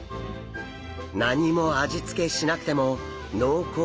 何も味付けしなくても濃厚な味わい。